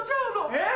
えっ？